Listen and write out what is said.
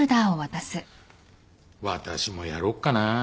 私もやろっかなぁ。